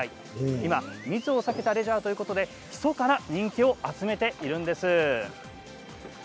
今密を避けたレジャーということでひそかな人気を集めているんです。